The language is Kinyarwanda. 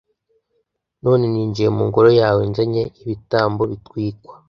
None ninjiye mu Ngoro yawe nzanye ibitambo bitwikwa